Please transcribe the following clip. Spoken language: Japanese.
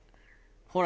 ほら。